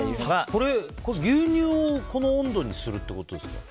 これ、牛乳をこの温度にするってことですか？